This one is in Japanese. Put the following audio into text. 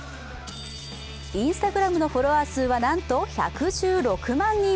Ｉｎｓｔａｇｒａｍのフォロワー数はなんと１１６万人。